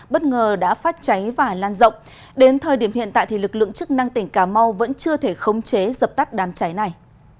bất ngờ đã phát cháy và lan rộng đến thời điểm hiện tại thì lực lượng chức năng tỉnh cà mau vẫn chưa thể khống chế dập tắt đám cháy này